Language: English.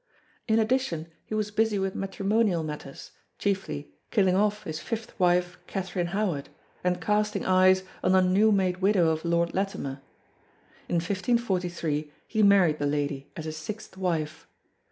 In addition he was busy with matrimonial matters, chiefly killing off his fifth wife Catherine Howard, and casting eyes on the newmade widow of Lord Latimer. In 1543 he married the lady, as his sixth wife.